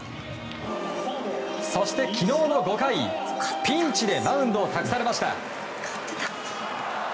そして昨日の５回、ピンチでマウンドを託されました。